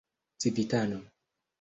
civitano